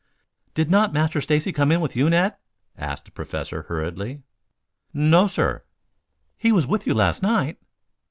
"Did not Master Stacy come in with you, Ned?" asked the Professor hurriedly. "No, sir." "He was with you last night?"